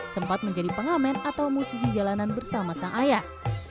sempat menjadi pengamen atau musisi jalanan bersama sang ayah